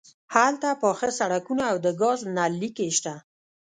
هلته پاخه سړکونه او د ګاز نل لیکې شته